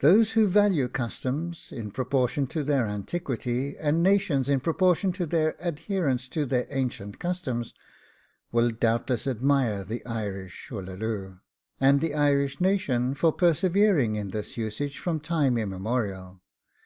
Those who value customs in proportion to their antiquity, and nations in proportion to their adherence to ancient customs, will doubtless admire the Irish ULLALOO, and the Irish nation, for persevering in this usage from time immemorial.